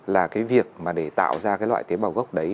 là cái việc mà để tạo ra cái loại tế bào gốc đấy